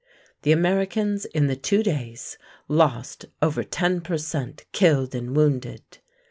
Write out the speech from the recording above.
The Americans in the two days lost over 10 per cent killed and wounded.